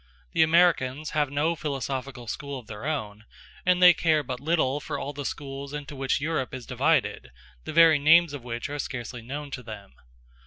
The Americans have no philosophical school of their own; and they care but little for all the schools into which Europe is divided, the very names of which are scarcely known to them.